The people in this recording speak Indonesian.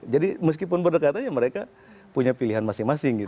jadi meskipun berdekatannya mereka punya pilihan masing masing gitu